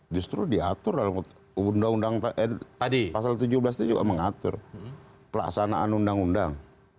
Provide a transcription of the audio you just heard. justru diatur dalam pasal tujuh belas itu juga mengatur pelaksanaan undang undang